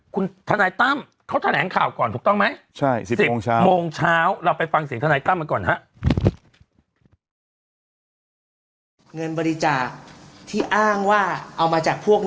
คุณทนัยตั้มเขาแถงข่าวก่อนถูกต้องไหมใช่๑๐โมงเช้าเราไปฟังเสียงทนัยตั้มก่อน